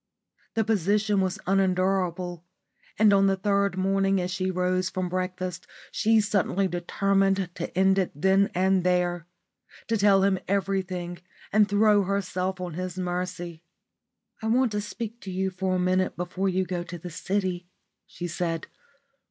The position was unendurable, and on the third morning as they rose from breakfast she suddenly determined to end it there and then to tell him everything and throw herself on his mercy. "I want to speak to you for a minute before you go to the city," she said.